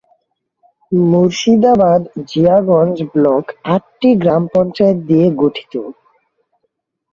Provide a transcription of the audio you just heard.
Murshidabad-Jiaganj block আটটি গ্রাম পঞ্চায়েত নিয়ে গঠিত।